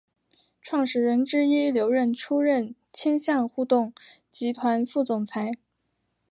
创始人之一刘韧出任千橡互动集团副总裁。